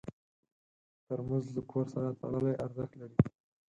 ترموز له کور سره تړلی ارزښت لري.